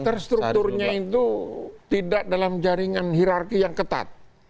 terstrukturnya itu tidak dalam jaringan hirarki yang ketat